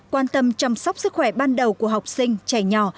quan tâm chăm sóc sức khỏe ban đầu của học sinh trẻ nhỏ